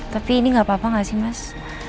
tapi ini gak apa apa gak sih mas